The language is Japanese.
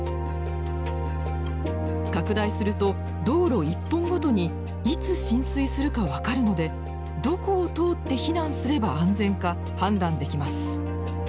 拡大すると道路一本ごとにいつ浸水するか分かるのでどこを通って避難すれば安全か判断できます。